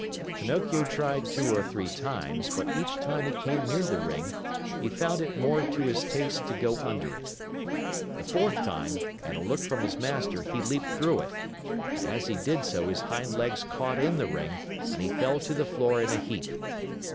Pinocchio tried two or three times, but each time he came near the ring, he found it more to his taste to go under it. The fourth time, at a look from his master he leaped through it, but as he did so his hind legs caught in the ring and he fell to the floor in a heap.